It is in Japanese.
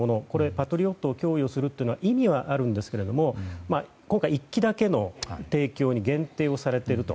パトリオットを供与するのは意義はあるんですが今回１基だけの提供に限定をされていると。